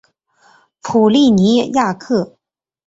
普利尼亚克。